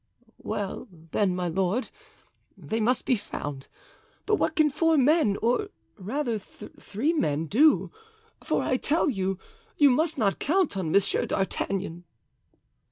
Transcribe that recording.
"Well, then, my lord, they must be found; but what can four men, or rather three men do—for I tell you, you must not count on Monsieur d'Artagnan."